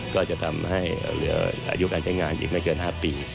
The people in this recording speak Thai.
ก็จะทำให้เหลืออายุการใช้งานอีกไม่เกิน๕ปี